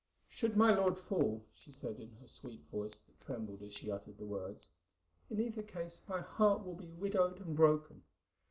"Should my lord fall," she said in her sweet voice that trembled as she uttered the words, "in either case my heart will be widowed and broken.